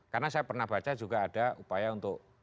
karena saya pernah baca juga ada upaya untuk